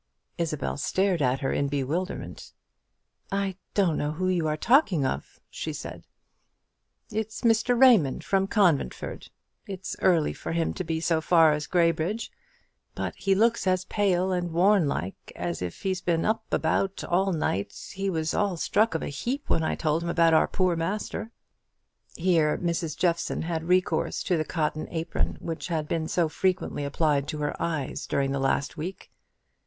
Isabel stared at her in bewilderment. "I don't know who you are talking of," she said. "It's Mr. Raymond, from Coventford! It's early for him to be so far as Graybridge; but he looks as pale and worn like as if he'd been up and about all night. He was all struck of a heap like when I told him about our poor master." Here Mrs. Jeffson had recourse to the cotton apron which had been so frequently applied to her eyes during the last week.